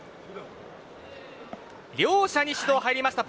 両者に指導が入りました。